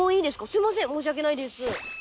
すいません申し訳ないです。